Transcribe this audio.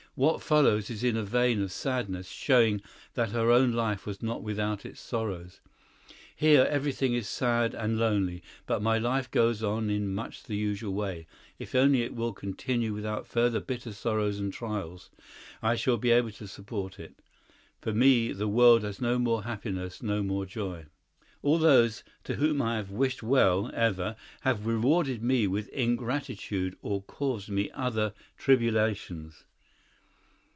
What follows is in a vein of sadness, showing that her own life was not without its sorrows. "Here everything is sad and lonely, but my life goes on in much the usual way; if only it will continue without further bitter sorrows and trials, I shall be able to support it. For me the world has no more happiness, no more joy. All those to whom I have wished well ever have rewarded me with ingratitude or caused me other tribulations."